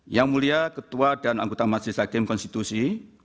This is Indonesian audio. yang mulia ketua dan anggota majelis hakim konstitusi